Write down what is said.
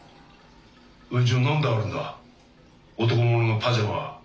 えじゃあ何であるんだ男物のパジャマが。